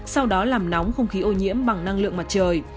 sau đó làm nóng không khí ô nhiễm bằng năng lượng mặt trời